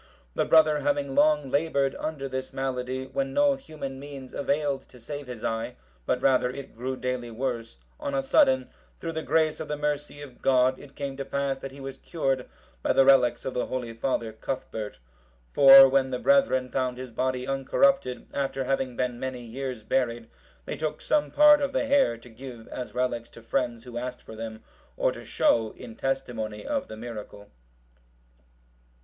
The brother having long laboured under this malady, when no human means availed to save his eye, but rather, it grew daily worse, on a sudden, through the grace of the mercy of God, it came to pass that he was cured by the relics of the holy father, Cuthbert. For when the brethren found his body uncorrupted, after having been many years buried, they took some part of the hair, to give, as relics, to friends who asked for them, or to show, in testimony of the miracle.